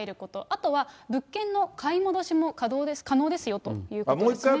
あとは物件の買い戻しも可能ですよということですね。